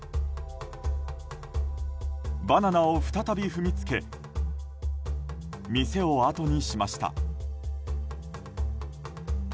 バナナを再び踏みつけ店をあとにしました。